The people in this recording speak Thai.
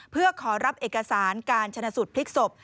เพื่อขอรับเอกสารการชนะสูตรพลิกศพ